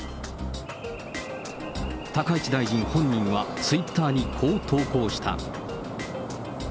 高市大臣本人は、ツイッターにこう投稿した。